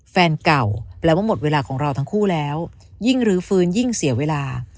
แฟนเก่าแปลว่าหมดเวลาของเราทั้งคู่แล้วยิ่งรื้อฟื้นยิ่งเสียเวลา